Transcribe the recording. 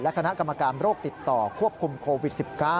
คณะกรรมการโรคติดต่อควบคุมโควิด๑๙